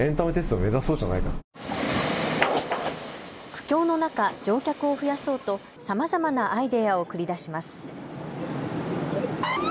苦境の中、乗客を増やそうとさまざまなアイデアを繰り出します。